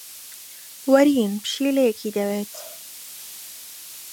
وەرین پشیلەیەکی دەوێت.